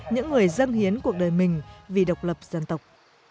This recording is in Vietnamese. những người dân hiến cuộc đời mình vì độc lập dân tộc